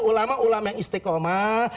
ulama ulama yang istiqomah